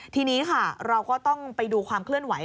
ทีนี้ค่ะเราก็ต้องไปดูความเคลื่อนไหว